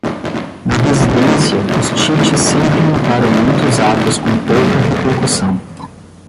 Na residência, os Tites sempre montaram muitos atos com pouca repercussão.